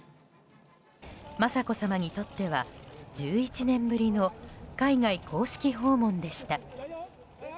雅子さまにとっては１１年ぶりの海外公式訪問でした。